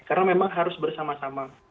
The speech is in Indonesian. karena memang harus bersama sama